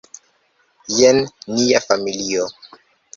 Jen nia familio.